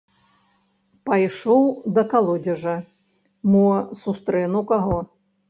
Пайшоў да калодзежа, мо сустрэну каго.